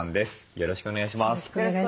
よろしくお願いします。